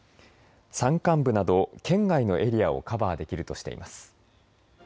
山間部など圏外のエリアをカバーできるとしています。